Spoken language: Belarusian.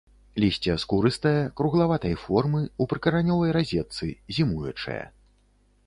Лісце скурыстае, круглаватай формы, у прыкаранёвай разетцы, зімуючае.